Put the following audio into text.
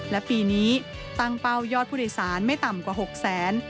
และปีนี้ตั้งเป้ายอดผู้โดยสารไม่ต่ำกว่า๖แสน